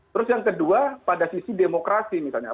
terus yang kedua pada sisi demokrasi misalnya